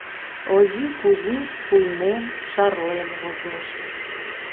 Ози Кузи шуйнен, шарлен возеш.